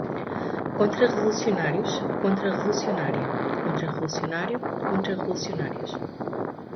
Contrarrevolucionários, contrarrevolucionária, contrarrevolucionário, contrarrevolucionárias